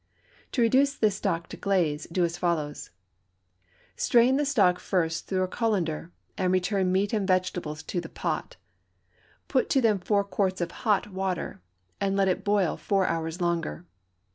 To reduce this stock to glaze, do as follows: Strain the stock first through a colander, and return meat and vegetables to the pot; put to them four quarts of hot water, and let it boil four hours longer.